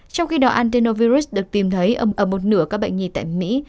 trong khi đó adenovirus được tìm thấy ấm ấm một nửa các bệnh nhi tại mỹ